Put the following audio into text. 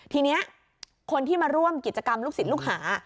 ทีนี้คนที่มาร่วมกิจกรรมลูกศิษย์ลูกหา